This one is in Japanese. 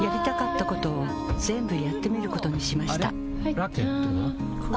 ラケットは？